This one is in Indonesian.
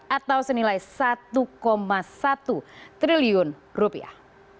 atau senilai satu satu triliun rupiah